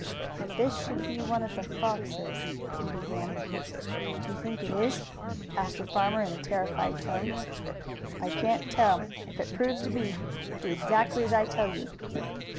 "If this should be one of the Foxes " he began. "Do you think it is?" asked the farmer in a terrified tone. "I can't tell. If it proves to be, do exactly as I tell you."